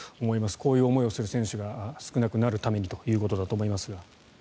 こういう思いをする選手が少なくなるためにということだと思いますが。